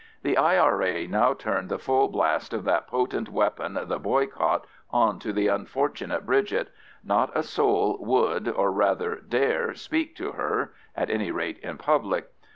The I.R.A. now turned the full blast of that potent weapon, the boycott, on to the unfortunate Bridget. Not a soul would or rather dare speak to her—at any rate in public.